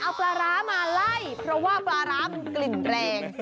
เอาปลาร้ามาไล่เพราะว่าปลาร้ามันกลิ่นแรง